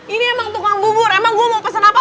ini emang tukang bubur emang gue mau pesan apa